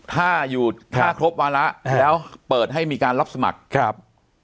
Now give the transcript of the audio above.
ถ้าอยู่ถ้าครบวาระแล้วเปิดให้มีการรับสมัครครับ